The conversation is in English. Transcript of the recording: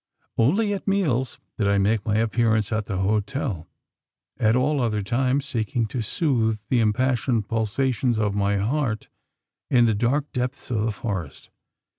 Only at meals did I make my appearance at the hotel at all other times, seeking to soothe the impassioned pulsations of my heart in the dark depths of the forest.